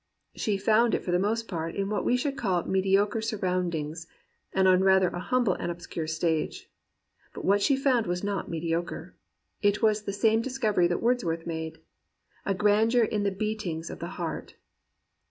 She found it for the most part in what we should call mediocre surround ings and on rather a humble and obscure stage. But what she found was not mediocre. It was the same discovery that Wordsworth made: "A grandeur in the beatings of the heart."